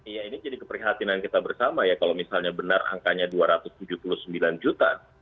iya ini jadi keprihatinan kita bersama ya kalau misalnya benar angkanya dua ratus tujuh puluh sembilan juta